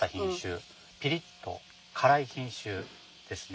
ピリッと辛い品種ですね。